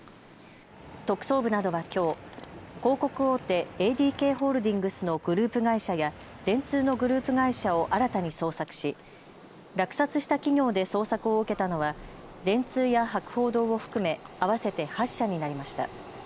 特捜部などはきょう広告大手、ＡＤＫホールディングスのグループ会社や電通のグループ会社を新たに捜索し落札した企業で捜索を受けたのは電通や博報堂を含め合わせて８社になりました。